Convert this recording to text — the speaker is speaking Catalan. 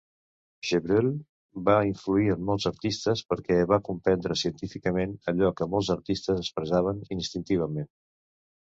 Chevreul va influir en molts artistes perquè va comprendre científicament allò que molts artistes expressaven instintivament.